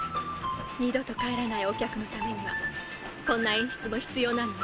二度と帰らないお客のためには、こんな演出も必要なのよ。